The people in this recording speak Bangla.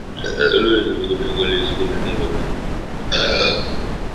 ললিতা ব্যাকুল হইয়া কহিল, ইস্কুল নেই বাবা?